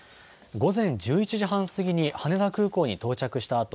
午前１１時半過ぎに羽田空港に到着した